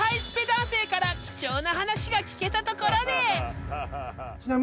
男性から貴重な話が聞けたところで］